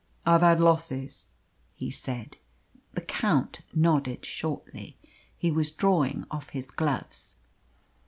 "I've had losses," he said. The Count nodded shortly. He was drawing off his gloves.